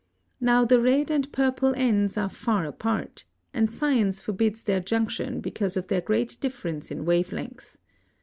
Now the red and purple ends are far apart, and science forbids their junction because of their great difference in wave length.